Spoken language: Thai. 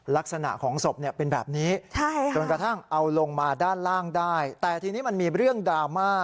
ลักษณะของศพเป็นแบบนี้จนกระทั่งเอาลงมาด้านล่างได้แต่ทีนี้มันมีเรื่องดราม่า